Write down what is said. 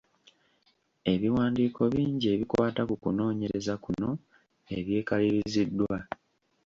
Ebiwandiiko bingi ebikwata ku kunoonyereza kuno ebyekaliriziddwa.